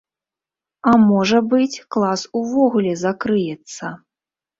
А можа быць, клас увогуле закрыецца.